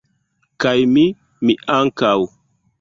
kaj mi, mi ankaŭ!